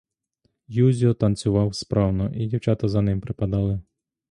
Юзьо танцював справно і дівчата за ним припадали.